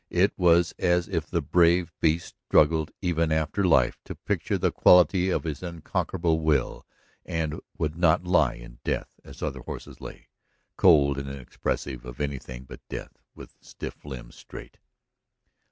It was as if the brave beast struggled even after life to picture the quality of his unconquerable will, and would not lie in death as other horses lay, cold and inexpressive of anything but death, with stiff limbs straight.